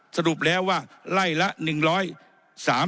สรุปแล้วว่าไล่ละ๑๓๐๐บาท